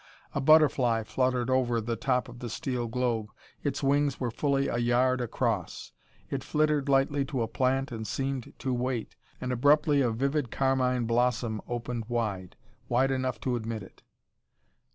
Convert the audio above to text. A butterfly fluttered over the top of the steel globe. Its wings were fully a yard across. It flittered lightly to a plant and seemed to wait, and abruptly a vivid carmine blossom opened wide; wide enough to admit it.